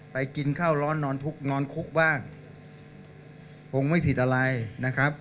ไปกินข้าวร้อนนอนคุกบ้างผมไม่ผิดอะไรนะครับ